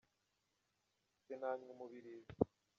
sinanywa umubirizi.